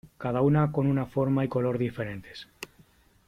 cada una con una forma y color diferentes .